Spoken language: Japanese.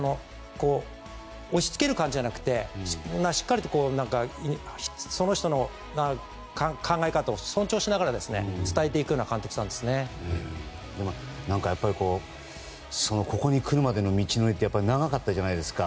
落ち着ける感じじゃなくてしっかりとその人の考え方を尊重しながらここに来るまでの道のりは長かったじゃないですか。